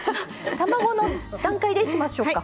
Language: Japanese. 卵の段階でしましょうか？